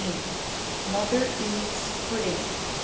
Mother Eve's Pudding.